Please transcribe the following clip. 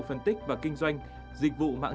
phân tích và kinh doanh dịch vụ mạng